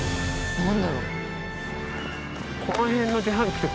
何だろう？